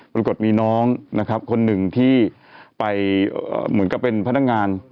ปรากฏมีน้องนะครับคนหนึ่งที่ไปเหมือนกับเป็นพนักงาน